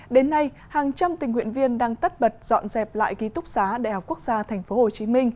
đến nay hàng trăm tình nguyện viên đang tất bật dọn dẹp lại ký túc xá đại học quốc gia tp hcm